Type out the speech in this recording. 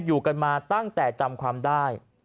อยู่กันมาตั้งแต่จำความได้